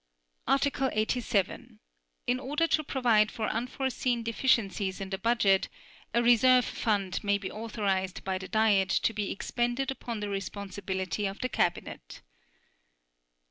Article 87. In order to provide for unforeseen deficiencies in the budget, a reserve fund may be authorized by the Diet to be expended upon the responsibility of the Cabinet.